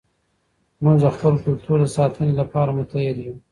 موږ د خپل کلتور د ساتنې لپاره متحد یو.